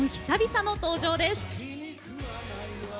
久々の登場です。